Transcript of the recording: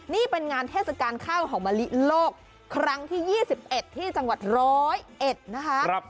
นี่เป็นงานเทศกาลข้าวหอมมะลิโลกครั้งที่๒๑ที่จังหวัด๑๐๑นะคะ